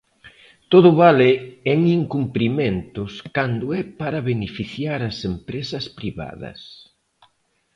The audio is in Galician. Todo vale en incumprimentos cando é para beneficiar as empresas privadas.